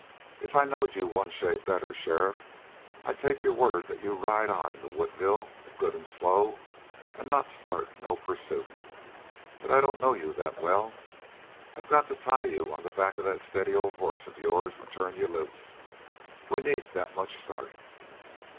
If I knowed you one shade better, sheriff, I'd take your word that you'd ride on into Woodville, good and slow, and not start no pursuit. But I don't know you that well. I got to tie you on the back of that steady old hoss of yours and turn you loose. We need that much start."